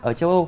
ở châu âu